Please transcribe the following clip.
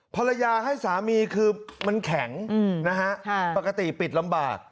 ภรรยาให้สามีคือมันแข็งนะฮะปกติปิดลำบาก